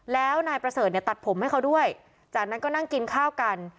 แล้วนายประเสริฐเนี่ยตัดผมให้เขาด้วยจากนั้นก็นั่งกินข้าวกัน